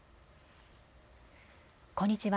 こんにちは。